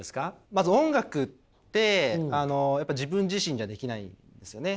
まず音楽ってやっぱ自分自身じゃできないんですよね。